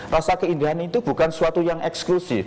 rasa keindahan itu bukan sesuatu yang eksklusif